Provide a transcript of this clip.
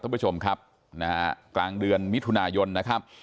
ท่านผู้ชมครับนะฮะกลางเดือนมิถุนายนนะครับ